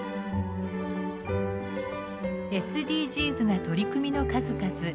ＳＤＧｓな取り組みの数々。